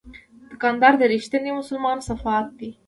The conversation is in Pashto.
دوکاندار د رښتیني مسلمان صفات لري.